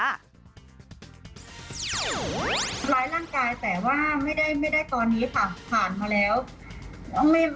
ทำร้ายร่างกายแต่ว่าไม่ได้ไม่ได้ตอนนี้ค่ะผ่านมาแล้ว